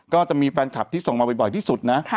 ก็จะมีแฟนคลับที่ส่งมาบ่อยที่สุดนะ